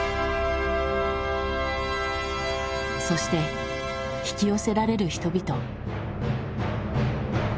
そして引き寄せられる人々。